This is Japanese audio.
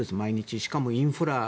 しかも、インフラを。